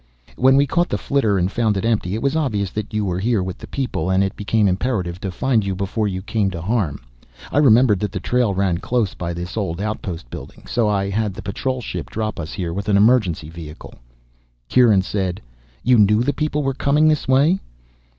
"When we caught the flitter and found it empty, it was obvious that you were with the people, and it became imperative to find you before you came to harm. I remembered that the trail ran close by this old outpost building, so I had the patrol ship drop us here with an emergency vehicle." Kieran said, "You knew the people were coming this way?"